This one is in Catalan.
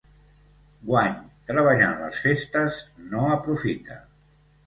Guany, treballant les festes, no aprofita.